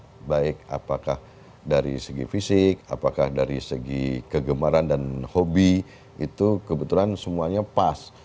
karena memang baik apakah dari segi fisik apakah dari segi kegemaran dan hobi itu kebetulan semuanya pas